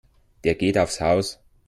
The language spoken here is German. Der geht aufs Haus.